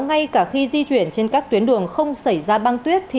ngay cả khi di chuyển trên các tuyến đường không xảy ra băng tuyết